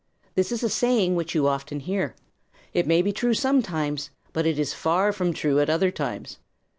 This is a saying which you often hear. It may be true sometimes, but it is very far from true at other times.